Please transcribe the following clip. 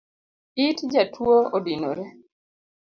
It jatuo odinore